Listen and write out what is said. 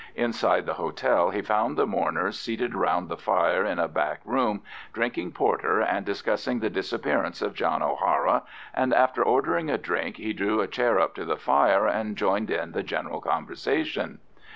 Inside the hotel he found the mourners seated round the fire in a back room, drinking porter and discussing the disappearance of John O'Hara, and after ordering a drink he drew a chair up to the fire and joined in the general conversation.